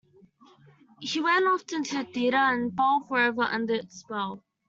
He went often to the theater and fell forever under its spell.